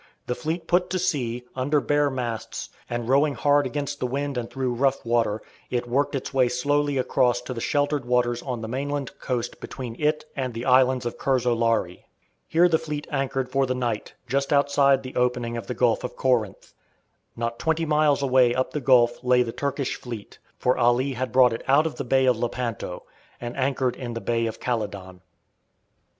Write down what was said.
The fleet put to sea, under bare masts, and, rowing hard against the wind and through rough water, it worked its way slowly across to the sheltered waters on the mainland coast between it and the islands of Curzolari. Here the fleet anchored for the night, just outside the opening of the Gulf of Corinth. Not twenty miles away up the gulf lay the Turkish fleet, for Ali had brought it out of the Bay of Lepanto, and anchored in the Bay of Calydon.